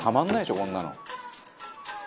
こんなの」